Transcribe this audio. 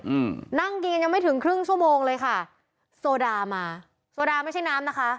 อืมนั่งกินกันยังไม่ถึงครึ่งชั่วโมงเลยค่ะโซดามาโซดาไม่ใช่น้ำนะคะ